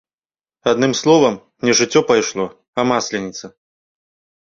Адным словам, не жыццё пайшло, а масленіца.